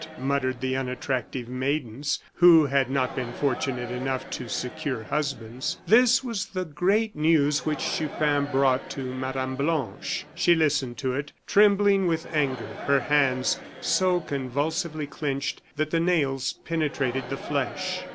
muttered the unattractive maidens who had not been fortunate enough to secure husbands. This was the great news which Chupin brought to Mme. Blanche. She listened to it, trembling with anger, her hands so convulsively clinched that the nails penetrated the flesh.